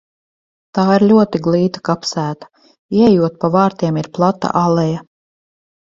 Tā ir ļoti glīta kapsēta – ieejot pa vārtiem ir plata aleja.